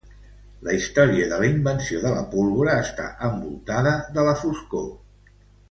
La història de la invenció de la pólvora està envoltada de la foscor.